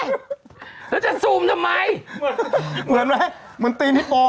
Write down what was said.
วิโรปี้แล้วจะซูมทำไมเหมือนไหมเหมือนตีนฮิโปอ่ะ